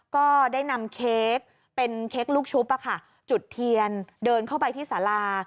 ก็ได้นำเค้กเป็นเค้กลูกชุบจุดเทียนเดินเข้าไปที่สารา